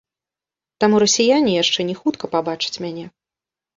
Таму расіяне яшчэ не хутка пабачаць мяне.